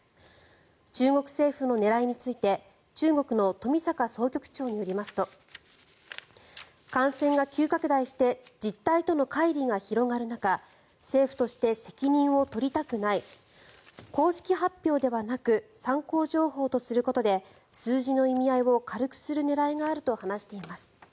中国政府の狙いについて中国の冨坂総局長によりますと感染が急拡大して実態とのかい離が広がる中政府として責任を取りたくない公式発表ではなく参考情報とすることで数字の意味合いを軽くする狙いがあると話しています。